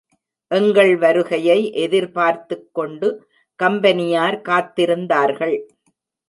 எங்கள் வருகையை எதிர்பார்த்துக் கொண்டு கம்பெனியார் காத்திருந்தார்கள்.